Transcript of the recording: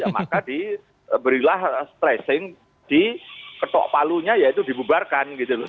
maka diberilah stressing di ketok palunya yaitu dibubarkan gitu loh